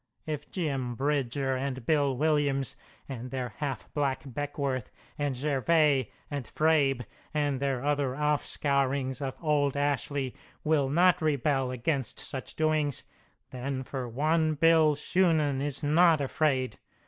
If Jim Bridger and Bill Williams, and their half black Beckwourth, and Gervais, and Fraeb, and their other offscourings of old Ashley, will not rebel against such doings, then, for one, Bill Shunan is not afraid.